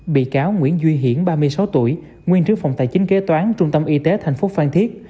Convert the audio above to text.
bị cáo nguyễn duy hiển ba mươi sáu tuổi nguyên trứ phòng tài chính kế toán trung tâm y tế tp phan thiết